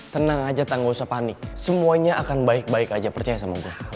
tenang aja tak usah panik semuanya akan baik baik aja percaya sama gue